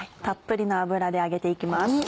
たっぷりの油で揚げて行きます。